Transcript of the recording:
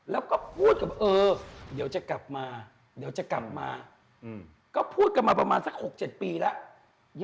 แล้วก็พูดซะว่าเออเดี๋ยวจะกลับมาก็พูดกันมาประมาณละ๖๗ปีแล้ว